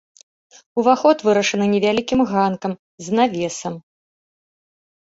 Уваход вырашаны невялікім ганкам з навесам.